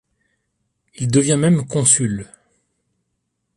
Il devient même consul.